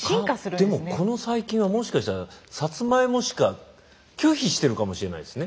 でもこの細菌はもしかしたらサツマイモしか拒否してるかもしれないですね。